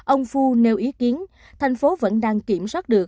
ông phu nêu ý kiến thành phố vẫn đang kiểm soát được